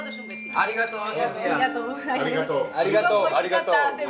ありがとうね。